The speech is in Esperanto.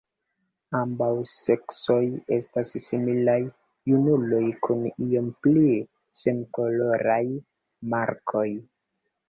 Ambaŭ seksoj estas similaj; junuloj kun iom pli senkoloraj markoj.